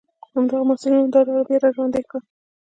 همدغو محصلینو دا ډله بیا را ژوندۍ کړه.